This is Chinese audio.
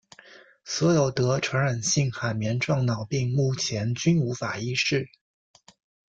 所有得传染性海绵状脑病目前均无法医治。